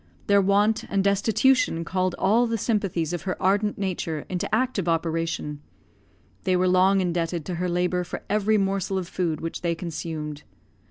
Their want and destitution called all the sympathies of her ardent nature into active operation; they were long indebted to her labour for every morsel of food which they consumed.